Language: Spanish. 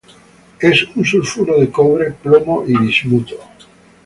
Es un sulfuro de cobre, plomo y bismuto.